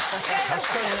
確かにね。